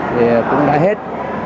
thì cũng đã hết